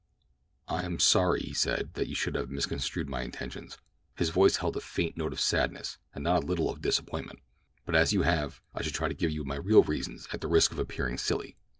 "I am sorry," he said, "that you should have misconstrued my intentions." His voice held a faint note of sadness and not a little of disappointment. "But as you have, I shall try to give you my real reasons at the risk of appearing silly."